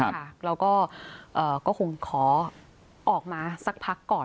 แล้วก็คงขอออกมาสักพักก่อน